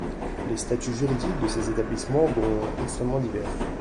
Les statuts juridiques de ces établissements dont extrêmement divers.